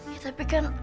ya tapi kan